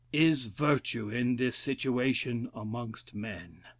Is virtue in this situation amongst men!